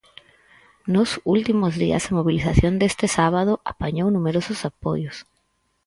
Nos últimos días a mobilización deste sábado apañou numerosos apoios.